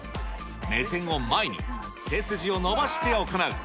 目線を前に、背筋を伸ばして行う。